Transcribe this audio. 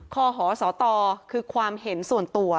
คอหสตคือความเห็นส่วนตัว